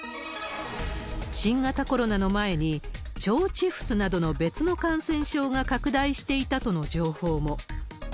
新型コロナの前に、腸チフスなどの別の感染症が拡大していたとの情報も。